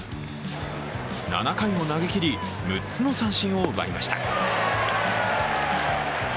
７回を投げきり、６つの三振を奪いました。